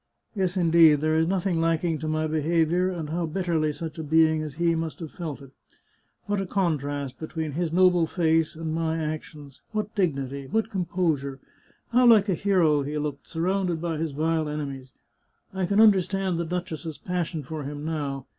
Yes, indeed, there is nothing lacking to my behaviour, and how bitterly such a being as he must have felt it ! What a contrast between his noble face and my actions ! what dignity ! what composure ! How like a hero he looked, surrounded by his vile enemies ! I can understand the duchess's passion for him now.